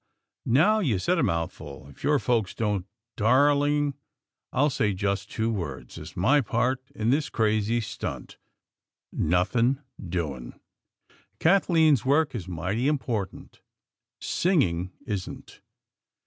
_ Now you said a mouthful; if your folks don't! Darling, I'll say just two words as my part in this crazy stunt: 'Nothing doing!!' Kathlyn's work is mighty important; singing isn't."